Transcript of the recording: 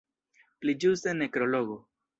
Pli ĝuste nekrologo!